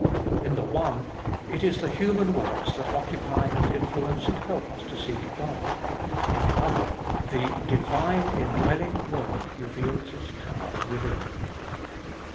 In the one, it is the human words that occupy and influence and help us to seek God ; in the other, the divine indwelling Word reveals its power within.